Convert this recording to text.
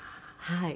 はい。